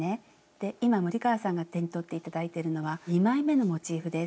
で今森川さんが手に取って頂いてるのは２枚めのモチーフです。